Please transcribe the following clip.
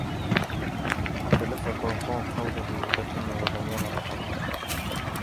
تلفت توم حوله، لكنه لم يرى أحدًا.